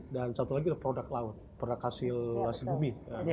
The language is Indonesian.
dan satu lagi produk laut produk hasil bumi